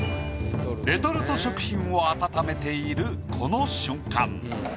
レトルト食品を温めているこの瞬間。